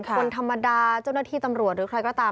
คนธรรมดาเจ้าหน้าที่ตำรวจหรือใครก็ตาม